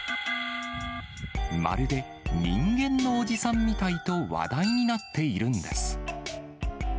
まるで、人間のおじさんみたいと話題になっているんです。